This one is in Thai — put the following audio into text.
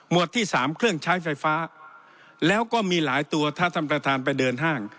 ที่สามเครื่องใช้ไฟฟ้าแล้วก็มีหลายตัวถ้าท่านประธานไปเดินห้าง